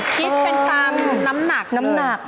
คิดเป็นตามน้ำหนักเลย